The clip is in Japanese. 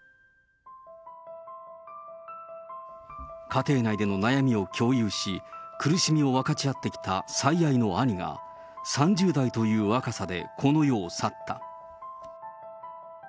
家庭内での悩みを共有し、苦しみを分かち合ってきた最愛の兄が、３０代という若さでこの世を去った。